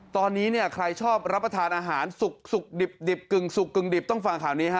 ตอนนี้ใครชอบรับประทานอาหารสุกดิบกึ่งต้องฟังข่าวนี้